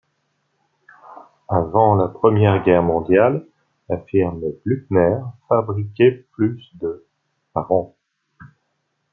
Avant la Première Guerre mondiale, la firme Blüthner fabriquait plus de par an.